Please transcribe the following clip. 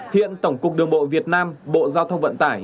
hiện tổng cục đường bộ việt nam bộ giao thông vận tải